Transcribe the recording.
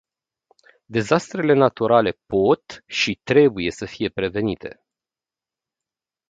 Dezastrele naturale pot și trebuie să fie prevenite.